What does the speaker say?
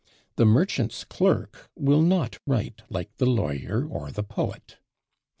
The merchant's clerk will not write like the lawyer or the poet.